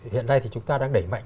hiện nay thì chúng ta đang đẩy mạnh